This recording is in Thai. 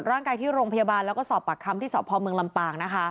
สรวจร่างกายที่โรงพยาบาลและสอบปากคำที่สอบพอมเมืองลำปาง